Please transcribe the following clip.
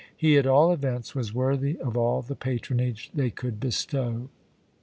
He, at all events, was worthy of all the patronage they could bestow.